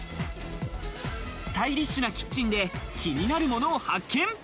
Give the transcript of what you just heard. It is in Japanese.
スタイリッシュなキッチンで、気になるものを発見。